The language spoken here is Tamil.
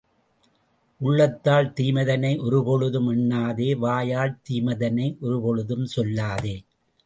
உள்ளத்தால் தீமைதனை ஒரு பொழுதும் எண்ணாதே, வாயால் தீமைதனை ஒரு பொழுதுஞ் சொல்லாதே!